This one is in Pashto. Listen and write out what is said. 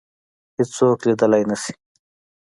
هیڅوک لیدلای نه شي